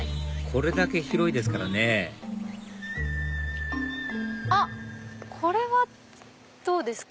これだけ広いですからねあっこれはどうですか？